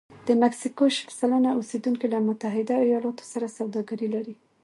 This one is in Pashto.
د مکسیکو شل سلنه اوسېدونکي له متحده ایالتونو سره سوداګري لري.